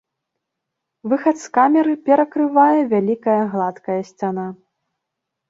Выхад з камеры перакрывае вялікая гладкая сцяна.